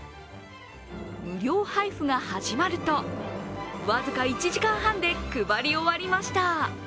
無料配布が始まると、僅か１時間半で配り終わりました。